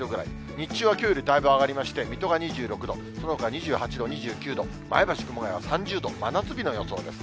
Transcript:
日中はきょうよりだいぶ上がりまして、水戸が２６度、そのほか２８度、２９度、前橋、熊谷は３０度、真夏日の予想です。